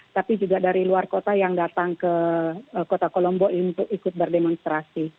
tapi juga dari luar kota yang datang ke kota kolombo untuk ikut berdemonstrasi